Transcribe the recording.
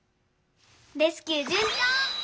レスキューじゅんちょう！